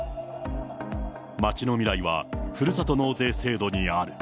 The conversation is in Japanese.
町の未来はふるさと納税制度にある。